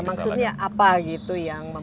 maksudnya apa gitu yang